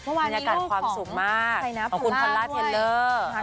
เมื่อวานมีลูกของใครนะพลาดด้วยของคุณพลาดเทลเลอร์